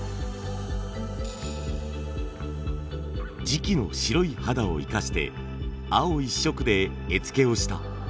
磁器の白い肌を生かして青一色で絵付けをしたシンプルな器の数々。